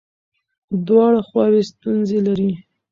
دواړه خواوې ستونزې لري.